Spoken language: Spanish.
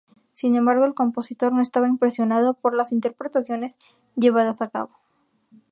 Sin embargo, el compositor no estaba impresionado por las interpretaciones llevadas a cabo.